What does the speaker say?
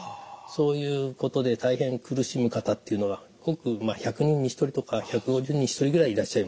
そういうことで大変苦しむ方っていうのが１００人に１人とか１５０人に１人ぐらいいらっしゃいますね。